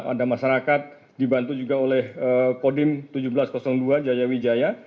ada masyarakat dibantu juga oleh kodim seribu tujuh ratus dua jaya wijaya